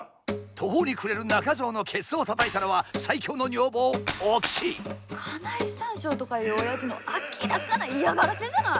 途方に暮れる中蔵のケツをたたいたのは金井三笑とかいう親父の明らかな嫌がらせじゃない！